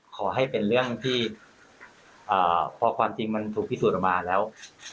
ขอให้เป็นเรื่องที่พอความจริงมันถูกพิสูจน์ออกมาแล้ว